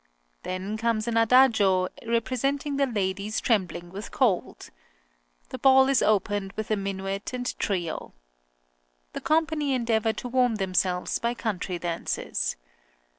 Then comes an adagio, representing the ladies trembling with cold. {L. MOZART'S COMPOSITIONS.} (11) The ball is opened with a minuet and trio. The company endeavour to warm themselves by country dances.